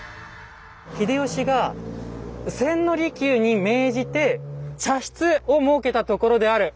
「秀吉が千利休に命じて茶室を設けたところである」！